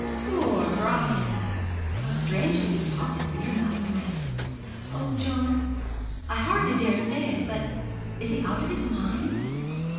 'Poor Brian! How strangely he talked at dinner last night! Oh, John, I hardly dare say it but is he out of his mind?'